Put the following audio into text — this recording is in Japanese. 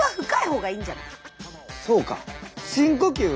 そうか。